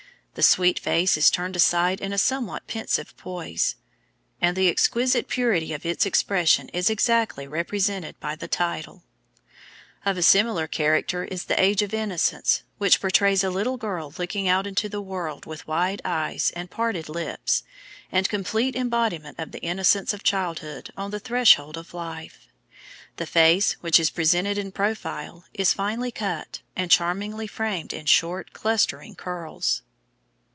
The sweet face is turned aside in a somewhat pensive poise, and the exquisite purity of its expression is exactly represented by the title. Of a similar character is the Age of Innocence, which portrays a little girl looking out into the world with wide eyes and parted lips, a complete embodiment of the innocence of childhood on the threshold of life. The face, which is presented in profile, is finely cut, and charmingly framed in short, clustering curls.